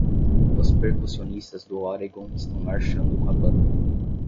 Os percussionistas do Oregon estão marchando com a banda.